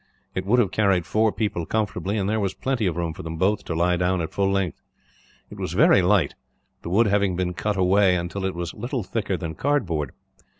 It would have carried four people comfortably, and there was plenty of room for them both to lie down at full length. It was very light, the wood having been cut away until it was little thicker than cardboard.